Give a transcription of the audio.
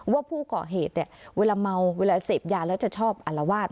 ว่าผู้ก่อเหตุเนี่ยเวลาเมาเวลาเสพยาแล้วจะชอบอารวาส